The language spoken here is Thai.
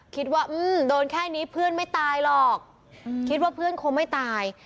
คิดว่าโดนแค่นี้เพื่อนไม่ตายหรอกคิดว่าเพื่อนคงไม่ตาย